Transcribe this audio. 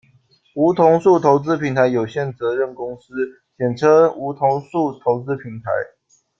梧桐树投资平台有限责任公司，简称梧桐树投资平台。